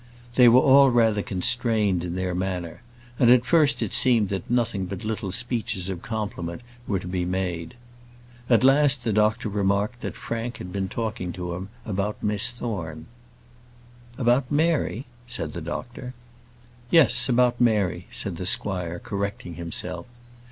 They were all rather constrained in their manner; and at first it seemed that nothing but little speeches of compliment were to be made. At last, the squire remarked that Frank had been talking to him about Miss Thorne. "About Mary?" said the doctor. "Yes; about Mary," said the squire, correcting himself.